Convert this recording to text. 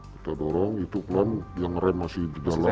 kita dorong itu pelan yang rem masih di dalam